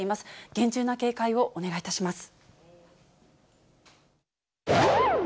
厳重な警戒をお願いいたします。